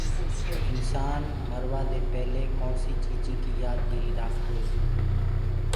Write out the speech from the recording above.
انسآن مروآدي پيلي ڪوڻسي چيجي ڪي يآد گري رآکدوئي